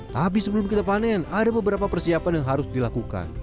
tapi sebelum kita panen ada beberapa persiapan yang harus dilakukan